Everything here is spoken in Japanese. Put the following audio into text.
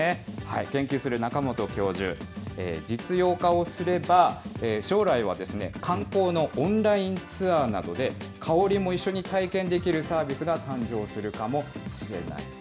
研究する中本教授、実用化をすれば、将来は観光のオンラインツアーなどで、香りも一緒に体験できるサービスが誕生するかもしれないと。